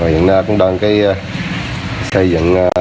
hiện nay cũng đang xây dựng